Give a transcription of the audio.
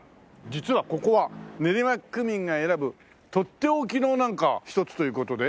実はここは練馬区民が選ぶとっておきのなんか一つという事で。